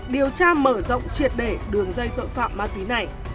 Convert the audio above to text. điều tra mở rộng triệt để đường dây tội phạm ma túy này